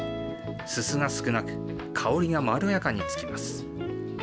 すすが少なく、香りがまろやかにつきます。